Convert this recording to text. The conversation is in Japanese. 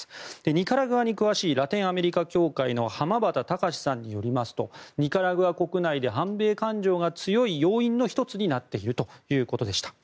ニカラグアに詳しいラテンアメリカ協会の浜端喬さんによりますとニカラグア国内で反米感情が強い要因の１つになっているということでした。